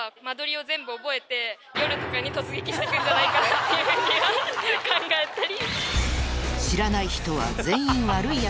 っていうふうに考えたり。